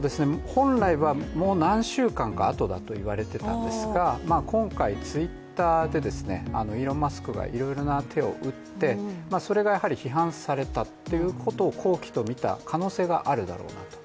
本来は、もう何週間かあとだと言われていたんですが、今回、Ｔｗｉｔｔｅｒで、イーロン・マスクがいろいろな手を打ってそれが批判されたということを好機とみた可能性があるだろうなと。